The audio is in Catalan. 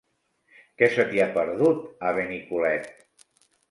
Què se t'hi ha perdut, a Benicolet?